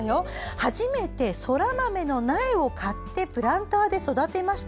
初めてソラマメの苗を買ってプランターで育てました。